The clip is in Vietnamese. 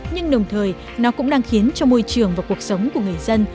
nhưng đồng thời nó cũng đang khiến cho môi trường và cuộc sống của người dân